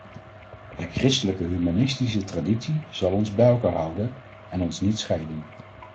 De christelijke humanistische traditie zal ons bij elkaar houden en ons niet scheiden.